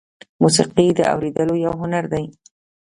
موسیقي د اورېدلو یو هنر دی.